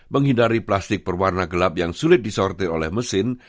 menghindari plastik berwarna gelap yang sulit disortir oleh mesin